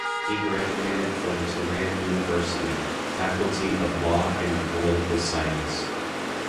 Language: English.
He graduated from Tehran University, Faculty of Law and Political Science.